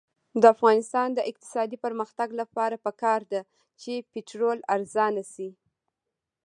د افغانستان د اقتصادي پرمختګ لپاره پکار ده چې پټرول ارزانه شي.